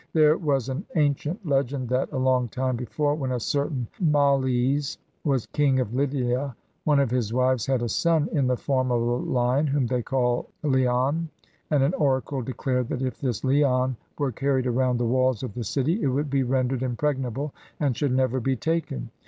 There was an ancient legend that, a long time before, when a certain Males was King of Lydia, one of his wives had a son in the form of a lion, whom they called Leon, and an oracle declared that if this Leon were carried around the walls of the city, it would be rendered impregnable, and should never be taken.